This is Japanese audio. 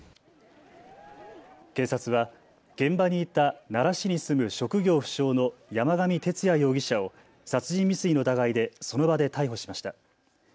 警察は現場にいた奈良市に住む職業不詳の山上徹也容疑者を殺人未遂の疑いでその場で逮捕しました。